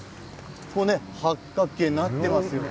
八角形になっていますよね。